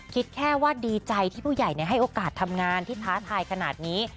คิดแค่ว่าดีใจที่ผู้ใหญ่ให้โอกาสทำงานที่ท้าทายขนาดนี้